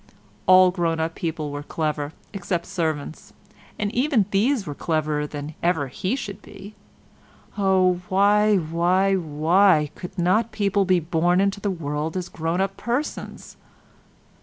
All grown up people were clever, except servants—and even these were cleverer than ever he should be. Oh, why, why, why, could not people be born into the world as grown up persons?